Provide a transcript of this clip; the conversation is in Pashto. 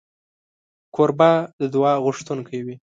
کوربه د دعا غوښتونکی وي.